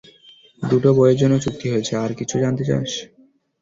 দুটো বইয়ের জন্য চুক্তি হয়েছে, আর কিছু জানতে চাস?